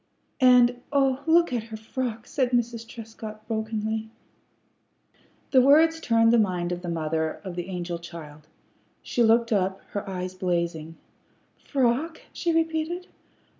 "And, oh, look at her frock!" said Mrs. Trescott, brokenly. [Illustration: "'LOOK!' SHE DECLAIMED"] The words turned the mind of the mother of the angel child. She looked up, her eyes blazing. "Frock!" she repeated.